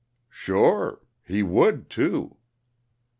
"Sure. He would, too."